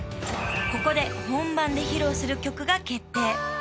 ［ここで本番で披露する曲が決定］